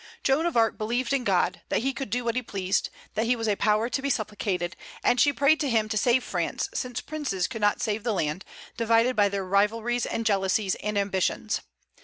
Joan of Arc believed in God, that He could do what He pleased, that He was a power to be supplicated; and she prayed to Him to save France, since princes could not save the land, divided by their rivalries and jealousies and ambitions.